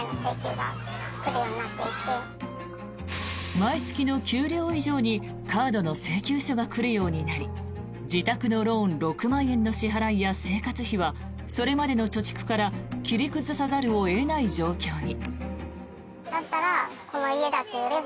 毎月の給料以上にカードの請求書が来るようになり自宅のローン６万円の支払いや生活費はそれまでの貯蓄から切り崩さざるを得ない状況に。